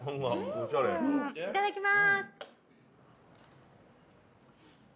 いただきまーす。